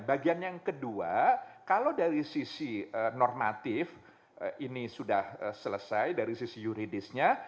bagian yang kedua kalau dari sisi normatif ini sudah selesai dari sisi yuridisnya